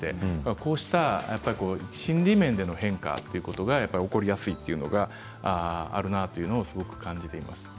こうした心理面での変化というのが起こりやすいというのがあるなというのをすごく感じています。